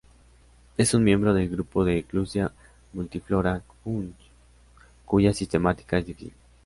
Es un miembro del grupo de "Clusia multiflora" Kunth, cuya sistemática es difícil.